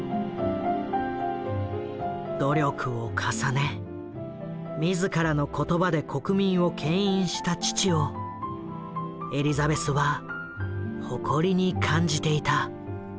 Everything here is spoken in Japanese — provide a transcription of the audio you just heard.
努力を重ね自らの言葉で国民をけん引した父をエリザベスは誇りに感じていた。